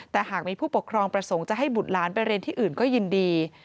แต่หากมีผู้ปกครองประสงค์จะให้บุตรหลานไปเรียนที่อื่นก็ยินดี